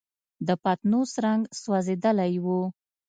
د پتنوس رنګ سوځېدلی و.